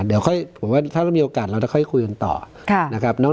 เดี๋ยวค่อยถ้ามีโอกาสเราจะค่อยคุยกันต่อ